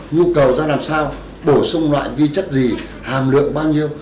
nhu cầu ra làm sao bổ sung loại vi chất gì hàm lượng bao nhiêu